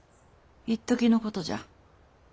いっときのことじゃ。